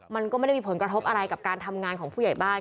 มันก็ไม่ได้มีผลกระทบอะไรกับการทำงานของผู้ใหญ่บ้าน